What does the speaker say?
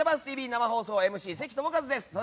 生放送ＭＣ関智一です。